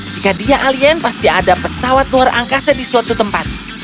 jika dia alien pasti ada pesawat luar angkasa di suatu tempat